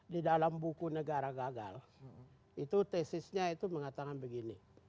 di dalam buku negara gagal itu tesisnya itu mengatakan begini